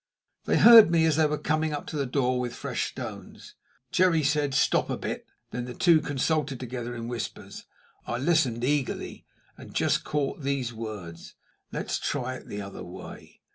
They heard me as they were coming up to the door with fresh stones. Jerry said: "Stop a bit!" and then the two consulted together in whispers. I listened eagerly, and just caught these words: "Let's try it the other way."